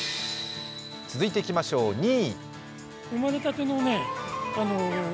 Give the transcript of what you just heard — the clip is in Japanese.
続いていきましょう、２位。